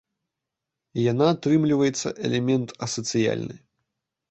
Яна, атрымліваецца, элемент асацыяльны.